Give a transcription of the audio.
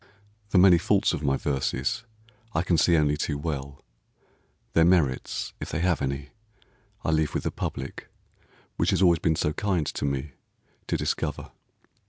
The many faults of my verses I can see only too well; their merits, if they have any, I leave with the public which has always been so kind to me to discover.